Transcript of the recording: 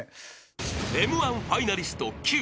［Ｍ−１ファイナリストキュウ］